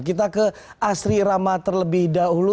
kita ke asri rama terlebih dahulu